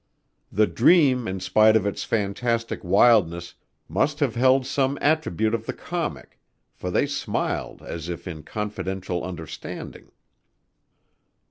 The dream in spite of its fantastic wildness must have held some attribute of the comic for they smiled as if in confidential understanding.